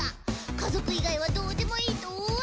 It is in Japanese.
家族以外はどうでもいいと大暴れ！